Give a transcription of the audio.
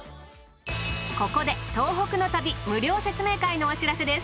ここで東北の旅無料説明会のお知らせです。